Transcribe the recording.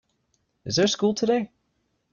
Is there school today?